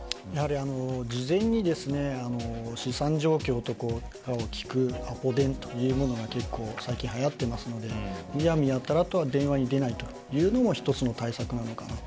事前に資産状況とかを聞くアポ電というものが結構、最近はやっていますのでむやみやたらに電話に出ないというのも１つの対策なのかなと。